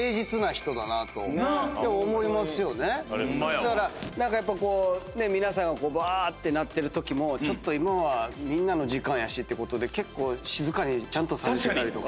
だから何かやっぱ皆さんがばーってなってるときもちょっと今はみんなの時間やしってことで結構静かにちゃんとされてたりとか。